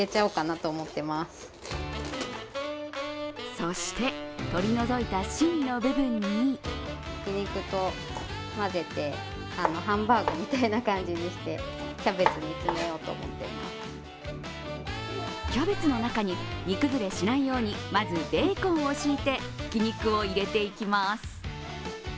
そして、取り除いた芯の部分にキャベツの中に、煮崩れしないように、まずベーコンを敷いて、ひき肉を入れていきます。